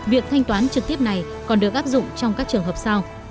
việc thanh toán trực tiếp này còn được áp dụng trong các trường hợp sau